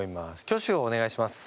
挙手をお願いします。